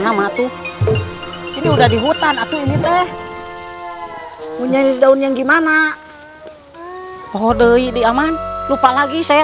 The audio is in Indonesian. sama tuh ini udah di hutan aku ini teh punya daun yang gimana oh doi di aman lupa lagi saya